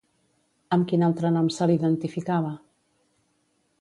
Amb quin altre nom se l'identificava?